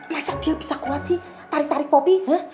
masa dia bisa kuat sih tarik tarik popi